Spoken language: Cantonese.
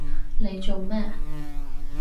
你做乜？